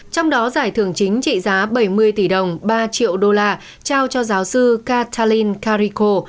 trong đó giải thưởng chính trị giá bảy mươi tỷ đồng ba triệu đô la trao cho giáo sư catalin kariko